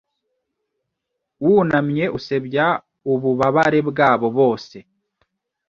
wunamye usebya ububabare bwabo bose